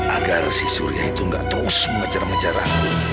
agar si surya itu gak terus mengejar menjaraku